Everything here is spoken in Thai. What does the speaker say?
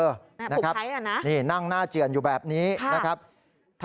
ผูกไพรกันนะครับค่ะนี่นั่งหน้าเจือนอยู่แบบนี้นะครับค่ะ